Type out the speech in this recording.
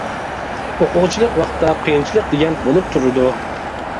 ئوقۇغۇچىلىق ۋاقىتتا قىيىنچىلىق دېگەن بولۇپ تۇرىدۇ.